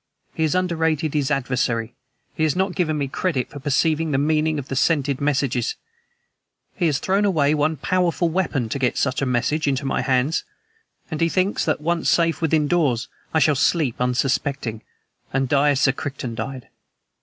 "He has underrated his adversary. He has not given me credit for perceiving the meaning of the scented messages. He has thrown away one powerful weapon to get such a message into my hands and he thinks that once safe within doors, I shall sleep, unsuspecting, and die as Sir Crichton died.